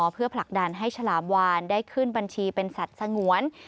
เพื่อผลักดันให้ฉลามวานได้ขึ้นบัญชีเป็นสัตว์สงวน